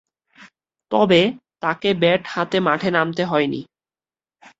তবে, তাকে ব্যাট হাতে মাঠে নামতে হয়নি।